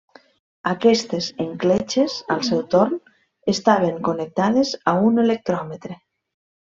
Aquestes encletxes, al seu torn, estaven connectades a un electròmetre.